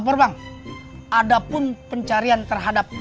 lapor bang ada pun pencarian terhadap